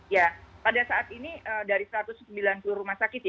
ya pada saat ini dari satu ratus sembilan puluh rumah sakit